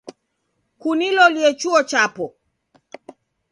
Kunilolie chuo chapo